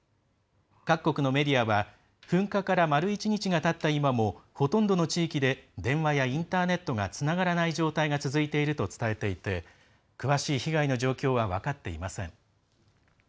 各国のメディアは、噴火から丸一日がたった今もほとんどの地域で電話やインターネットがつながらない状態が続いていると伝えていて詳しい被害の状況は分かっていません。